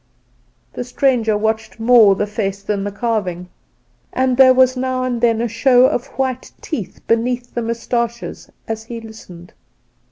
The stranger watched more the face than the carving; and there was now and then a show of white teeth beneath the moustaches as he listened.